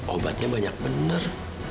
obatnya banyak bener